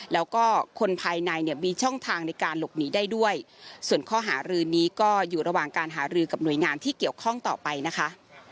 แล้วก็คนภายในเนี่ยมีช่องทางในการหลบหนีได้ด้วยส่วนข้อหารือนี้ก็อยู่ระหว่างการหารือกับหน่วยงานที่เกี่ยวข้องต่อไปนะคะ